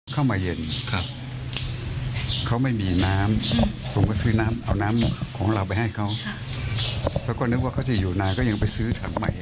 น่าจะต้องกังวลเอ๊ะทำไมมันมาได้ยังไงเนี่ยเราก็คิดว่าเขามีทะเลาะสักกัดสามีไหม